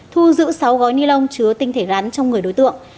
thu giữ sáu gói ni lông chứa tinh thể rắn trong người đối tượng